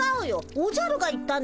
おじゃるが言ったんだよ。